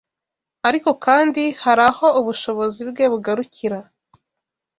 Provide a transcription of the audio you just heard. ariko kandi hari aho ubushobozi bwe bugarukira